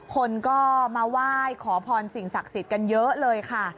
คนก็มาไหว้ขอพรสิ่งศักดิ์สิทธิ์กันเยอะเลยค่ะ